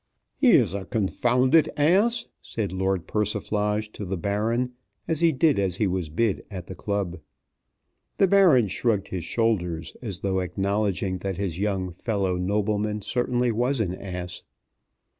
"He's a confounded ass," said Lord Persiflage to the Baron as he did as he was bid at the club. The Baron shrugged his shoulders, as though acknowledging that his young fellow nobleman certainly was an ass.